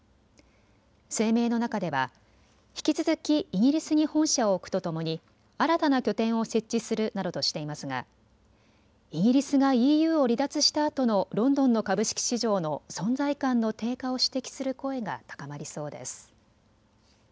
声明の中では引き続きイギリスに本社を置くとともに新たな拠点を設置するなどとしていますがイギリスがＥＵを離脱したあとのロンドンの株式市場の存在感の低下を指摘する声が高まりそうです。